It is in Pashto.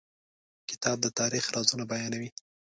کتاب د تاریخ رازونه بیانوي.